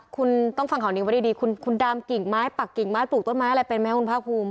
คุณต้องฟังข่าวนี้ไว้ดีคุณดามกิ่งไม้ปักกิ่งไม้ปลูกต้นไม้อะไรเป็นไหมคุณภาคภูมิ